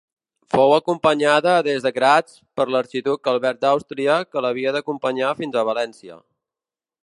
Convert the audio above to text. Fou acompanyada des de Graz per l'arxiduc Albert d'Àustria, que l'havia d'acompanyar fins a València.